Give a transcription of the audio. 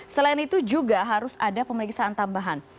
selain itu juga harus ada pemeriksaan tambahan